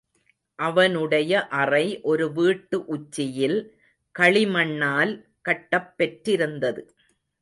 அவனுடைய அறை, ஒரு வீட்டு உச்சியில், களிமண்ணால் கட்டப் பெற்றிருந்தது.